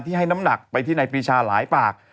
ให้น้ำหนักไปที่นายปีชาหลายปาก